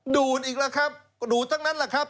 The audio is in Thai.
ดูดอีกแล้วครับดูดทั้งนั้นแหละครับ